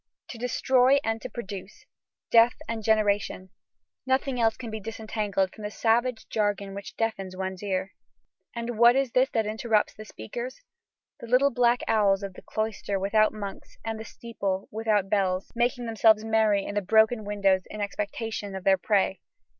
To destroy and to produce, death and generation, nothing else can be disentangled from the savage jargon which deafens one's ear." And what is it that interrupts the speakers? "The little black owls of the cloister without monks and the steeple without bells, making themselves merry in the broken windows in expectation of their prey.